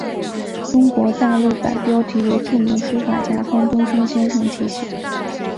中国大陆版标题由著名书法家关东升先生提写。